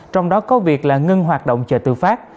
trong đó có việc là ngưng hoạt động chợ tự phát